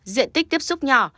diện tích tiếp xúc nhỏ